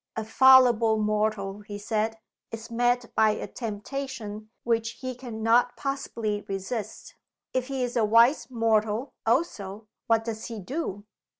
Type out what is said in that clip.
"A fallible mortal," he said, "is met by a temptation which he can not possibly resist. If he is a wise mortal, also, what does he do?"